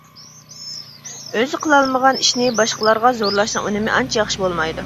ئۆزى قىلالمىغان ئىشنى باشقىلارغا زورلاشنىڭ ئۈنۈمى ئانچە ياخشى بولمايدۇ.